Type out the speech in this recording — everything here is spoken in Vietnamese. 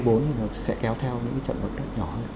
thì nó sẽ kéo theo những trận động đất nhỏ